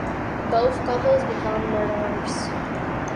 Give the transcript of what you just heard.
Both couples become murderers.